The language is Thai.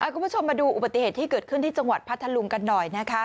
คุณผู้ชมมาดูอุบัติเหตุที่เกิดขึ้นที่จังหวัดพัทธลุงกันหน่อยนะคะ